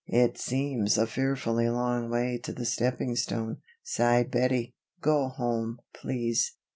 "It seems a fearfully long way to the stepping stone," sighed Bettie. "Go home, please.